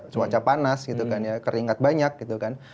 cuaca panas gitu kan ya keringat banyak gitu kan